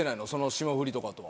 霜降りとかとは。